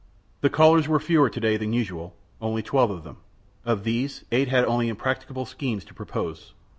The callers were fewer to day than usual only twelve of them. Of these, eight had only impracticable schemes to propose.